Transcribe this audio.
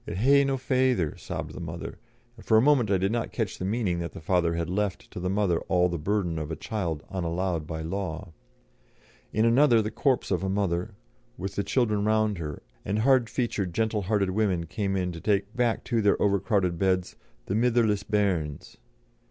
'It hae no faither,' sobbed the mother; and for a moment I did not catch the meaning that the father had left to the mother all the burden of a child unallowed by law. In another lay the corpse of a mother, with the children round her, and hard featured, gentle hearted women came in to take back to their overcrowded beds 'the mitherless bairns.'